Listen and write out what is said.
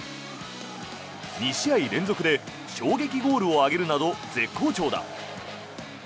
２試合連続で衝撃ゴールを挙げるなど絶好調だ。